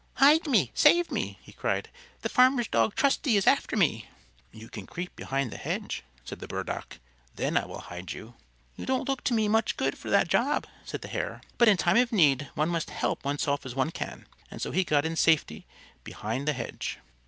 "Hide me! Save me!" he cried. "The farmer's dog Trusty is after me." "You can creep behind the hedge," said the Burdock, "then I will hide you." "You don't look to me much good for that job," said the Hare, "but in time of need one must help oneself as one can." And so he got in safety behind the hedge.